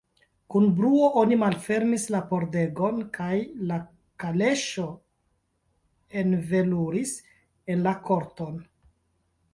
Kun bruo oni malfermis la pordegon, kaj la kaleŝo enveluris en la korton.